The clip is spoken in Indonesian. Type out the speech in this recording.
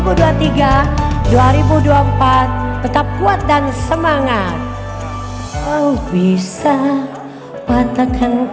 sungguh tak akanlah kau bisa merebek